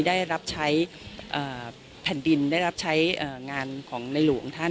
ได้รับใช้แผ่นดินได้รับใช้งานของในหลวงท่าน